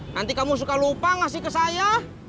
nanti kamu suka lupa ngasih ke saya